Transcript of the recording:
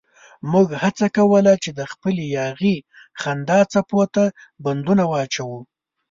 موږ هڅه کوله چې د خپلې یاغي خندا څپو ته بندونه واچوو.